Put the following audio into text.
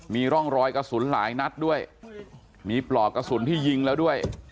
มีร่องรอยกระสุนหลายนัดด้วยมีปลอกกระสุนที่ยิงแล้วด้วย